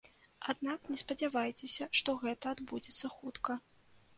Аднак не спадзявайцеся, што гэта адбудзецца хутка.